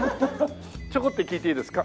ちょこっと聞いていいですか？